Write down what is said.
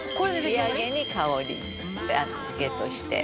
「仕上げに香り付けとして」